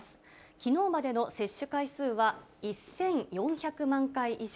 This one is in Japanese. きのうまでの接種回数は１４００万回以上。